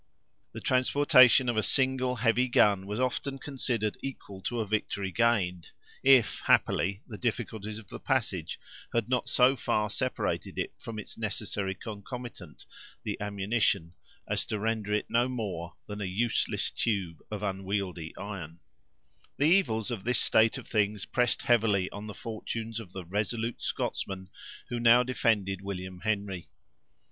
The transportation of a single heavy gun was often considered equal to a victory gained; if happily, the difficulties of the passage had not so far separated it from its necessary concomitant, the ammunition, as to render it no more than a useless tube of unwieldy iron. Evidently the late De Witt Clinton, who died governor of New York in 1828. The evils of this state of things pressed heavily on the fortunes of the resolute Scotsman who now defended William Henry.